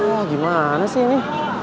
wah gimana sih ini